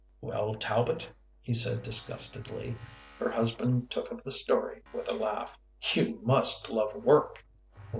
" Well, Talbot, he said disgustedly," her husband took up the story with a laugh, " you must love work.